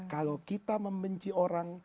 kalau kita membenci orang